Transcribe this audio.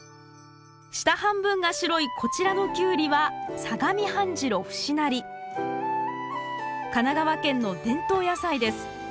下半分が白いこちらのキュウリは神奈川県の伝統野菜です。